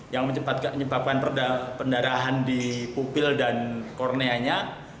yang menyebabkan pendarahan di pupil dan korneanya